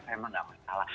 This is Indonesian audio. saya memang nggak masalah